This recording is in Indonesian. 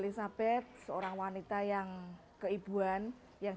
dia adalah orang yang sangat berhati hati